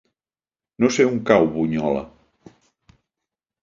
No sé on cau Bunyola.